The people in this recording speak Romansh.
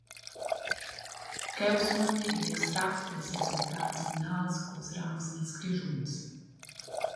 Cheu suonda in extract dils resultats finals culs rangs dils Grischuns.